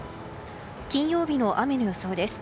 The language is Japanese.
金曜日の雨の予想です。